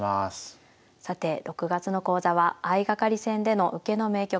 さて６月の講座は相掛かり戦での受けの名局。